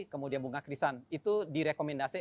kemudian bunga krisan itu direkomendasi